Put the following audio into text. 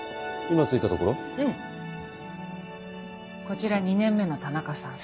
こちら２年目の田中さん。